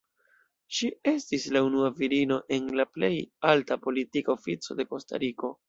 Ŝi estis la unua virino en la plej alta politika ofico de Kostariko.